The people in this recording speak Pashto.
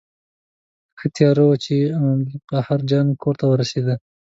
ښه تیاره وه چې عبدالقاهر جان کور ته ورسېدو.